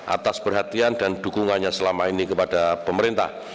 atas perhatian dan dukungannya selama ini kepada pemerintah